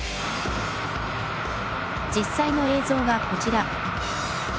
実際の映像がこちら。